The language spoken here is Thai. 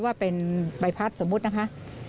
ว่าเป็นใบพัดสมมุตินะคะ